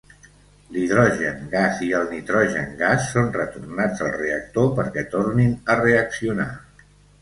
L'hidrogen gas i el nitrogen gas són retornats al reactor perquè tornin a reaccionar.